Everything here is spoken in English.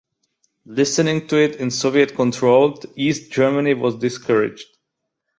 Listening to it in Soviet-controlled East Germany was discouraged.